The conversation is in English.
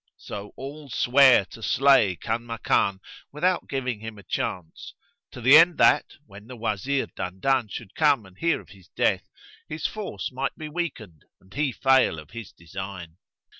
So all sware to slay Kanmakan without giving him a chance; to the end that, when the Wazir Dandan should come and hear of his death, his force might be weakened and he fail of his design.